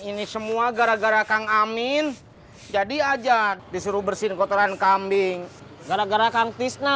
ini semua gara gara kang amin jadi aja disuruh bersihin kotoran kambing gara gara kang tisna